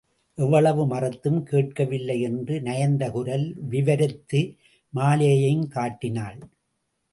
எவ்வளவு மறுத்தும் கேட்கவில்லை... என்று நயந்த குரலில் விவரித்து மாலையையும் காட்டினாள்.